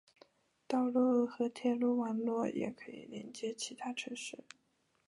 道路和铁路网络也可以连接其他市区。